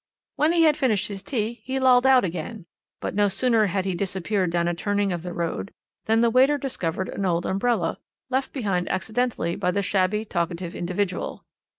"When he had finished his tea he lolled out again, but no sooner had he disappeared down a turning of the road than the waiter discovered an old umbrella, left behind accidentally by the shabby, talkative individual.